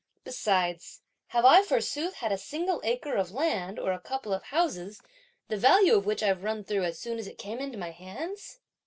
Besides, have I forsooth had a single acre of land or a couple of houses, the value of which I've run through as soon as it came into my hands?